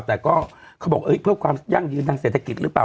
แต่ก็เขาบอกเพื่อความยั่งยืนทางเศรษฐกิจหรือเปล่า